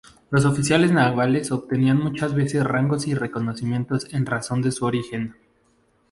Los oficiales navales obtenían muchas veces rangos y reconocimientos en razón de su origen.